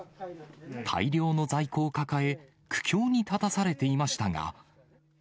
大量の在庫を抱え、苦境に立たされていましたが。